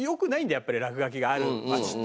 やっぱり落書きがある街って。